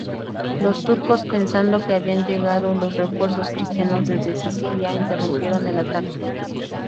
Los turcos, pensando que habían llegado los refuerzos cristianos desde Sicilia, interrumpieron el ataque.